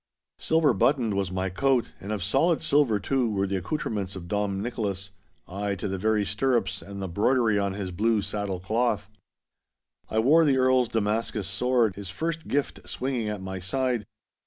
Silver buttoned was my coat, and of solid silver, too, were the accoutrements of Dom Nicholas—ay, to the very stirrups and the broidery on his blue saddle cloth. I wore the Earl's Damascus sword, his first gift, swinging at my side.